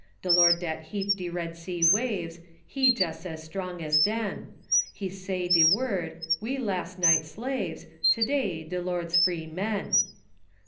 De Lord dat heap de Red Sea waves, He jes' as strong as den; He say de word we las' night slaves, To day de Lord's free men.